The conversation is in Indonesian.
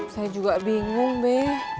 saya juga bingung be